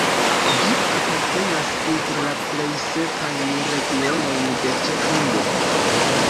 Ĝi apartenas inter la plej sekajn regionojn de Ĉeĥio.